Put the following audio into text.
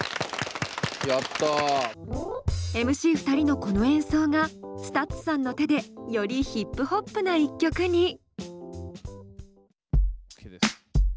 ＭＣ２人のこの演奏がＳＴＵＴＳさんの手でよりヒップホップな一曲に。